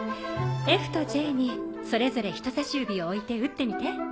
「Ｆ」と「Ｊ」にそれぞれ人さし指を置いて打ってみて。